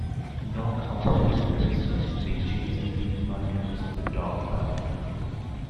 Knocc Out and Dresta being chased and beaten by members of Tha Dogg Pound.